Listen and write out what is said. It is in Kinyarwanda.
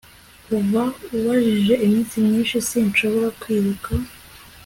Kuva ubajije iminsi myinshi sinshobora kwibuka